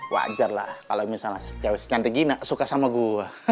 wajar lah kalo misalnya cewek senyantik gini suka sama gua